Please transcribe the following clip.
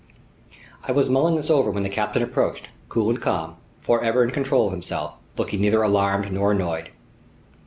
I was mulling this over when the captain approached, cool and calm, forever in control of himself, looking neither alarmed nor annoyed.